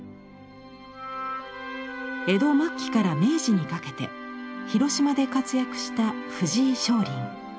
江戸末期から明治にかけて広島で活躍した藤井松林。